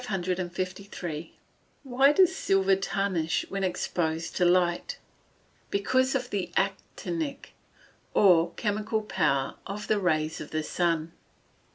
Why does silver tarnish when exposed to light? Because of the actinic, or chemical power of the rays of the sun.